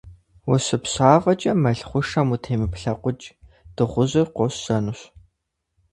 УщыпщафӀэкӀэ мэл хъушэм утемыплъэкъукӀ: Дыгъужьыр къощэнущ.